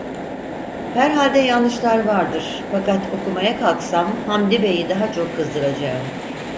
Herhalde yanlışlar vardır, fakat okumaya kalksam Hamdi beyi daha çok kızdıracağım…